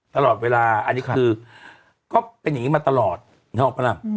ตลอดเวลาอันนี้คือก็เป็นอย่างนี้มาตลอดนึกออกปะล่ะ